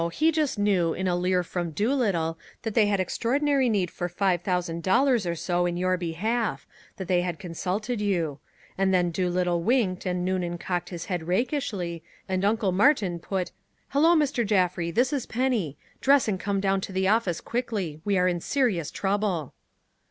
He just knew, in a leer from Doolittle, that they had extraordinary need for Eve thousand dollars or so in your behalf that they had consulted you. And then Doolittle winked and Noonan cocked his head rakishly, and Uncle Martin put Hello, Mr. Jaffry. This is Penny. Dress and come down to the office quickly. We are in serious trouble."